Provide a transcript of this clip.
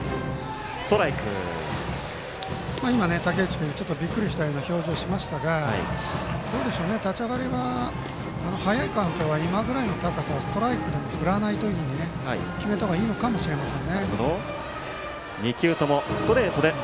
今、竹内君ちょっとびっくりしたような表情しましたがどうでしょうね、立ち上がりは早いカウントはストライクでも振らないというふうに決めたほうがいいのかもしれません。